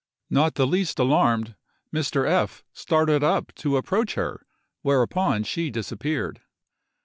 Not the least alarmed, Mr. F—— started up to approach her, whereupon she disappeared.